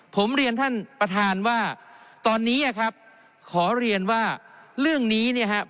ผมเรียนท่านประธานว่าตอนนี้ครับขอเรียนว่าเรื่องนี้เนี่ยครับ